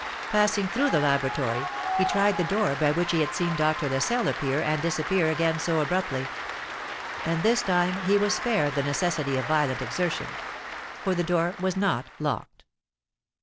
Passing through the laboratory, he tried the door by which he had seen Dr. Lascelles appear and disappear again so abruptly; and this time he was spared the necessity of violent exertion,—for the door was not locked.